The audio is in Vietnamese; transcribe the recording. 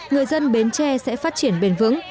người dân bến tre sẽ phát triển bền vững